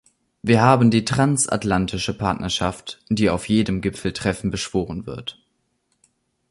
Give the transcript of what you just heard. Wir haben die transatlantische Partnerschaft, die auf jedem Gipfeltreffen beschworen wird.